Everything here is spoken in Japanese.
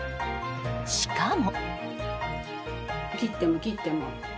しかも。